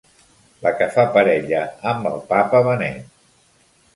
La que fa parella amb el papa Benet.